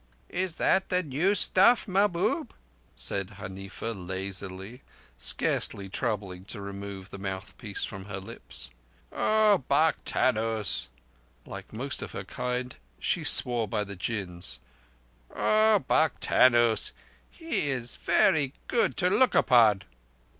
"Is that the new stuff, Mahbub?" said Huneefa lazily, scarce troubling to remove the mouthpiece from her lips. "O Buktanoos!"—like most of her kind, she swore by the Djinns—"O Buktanoos! He is very good to look upon."